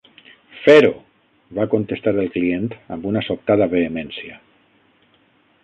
"Fer-ho!" va contestar el client, amb una sobtada vehemència.